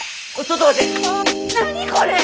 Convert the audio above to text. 何これ！？